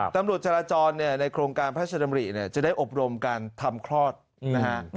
ตำรวจจราจรเนี่ยในโครงการพระราชดำริเนี่ยจะได้อบรมการทำคลอดนะฮะ